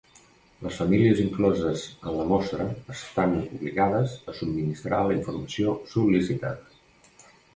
Les famílies incloses en la mostra estan obligades a subministrar la informació sol·licitada.